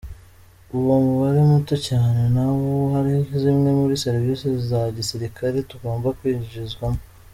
Uwo mubare muto cyane nawo hari zimwe muri serivisi za gisilikari utagomba kwinjizwamo.